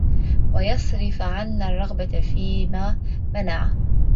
وَيَصْرِفَ عَنَّا الرَّغْبَةَ فِيمَا مَنَعَ